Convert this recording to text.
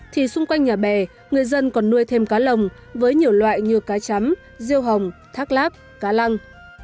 thì xung quanh nhà bè người dân còn nuôi thêm cá lồng với nhiều loại như cá chấm riêu hồng thác láp cá lăng